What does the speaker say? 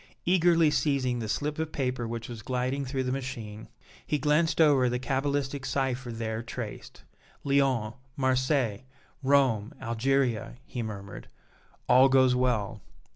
Eagerly seizing the slip of paper which was gliding through the machine, he glanced over the cabalistic cipher there traced. "Lyons Marseilles Rome Algeria," he murmured. "All goes well."